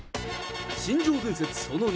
新庄伝説、その２。